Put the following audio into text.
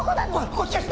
こっちです。